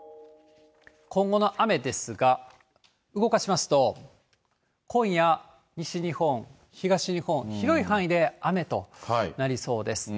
今後の雨ですが、動かしますと、今夜、西日本、東日本、広い範囲で雨となりそうです。